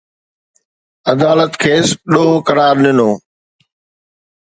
عدالت کيس ڏوهه قرار ڏنو